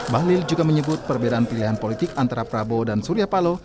bahlil juga menyebut perbedaan pilihan politik antara prabowo dan surya paloh